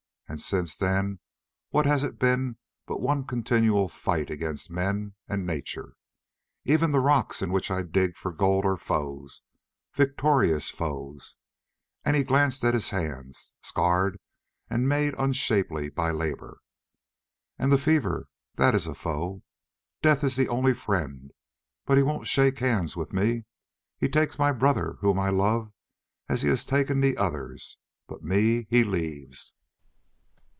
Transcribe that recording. And since then what has it been but one continual fight against men and nature? Even the rocks in which I dig for gold are foes—victorious foes—" and he glanced at his hands, scarred and made unshapely by labour. "And the fever, that is a foe. Death is the only friend, but he won't shake hands with me. He takes my brother whom I love as he has taken the others, but me he leaves."